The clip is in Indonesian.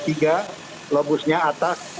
di tiga lobusnya atas ada dua maaf